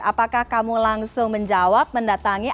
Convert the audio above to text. apakah kamu langsung menjawab mendatangi